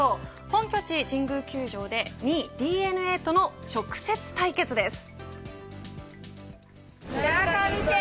本拠地、神宮球場で２位ＤｅＮＡとの直接対決です。